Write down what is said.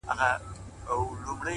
• خيال ويل ه مـا پــرې وپاسه ـ